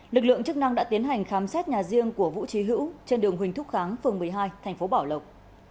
lực lượng chức năng đã tiến hành khám xét nhà riêng của vũ trí hữu trên đường huỳnh thúc kháng phường một mươi hai thành phố bảo lộc